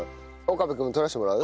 岡部君も取らせてもらう？